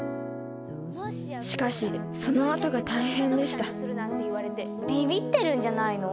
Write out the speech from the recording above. しかしそのあとが大変でしたびびってるんじゃないの？